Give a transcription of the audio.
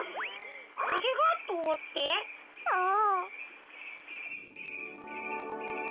ありがとうって？さあ？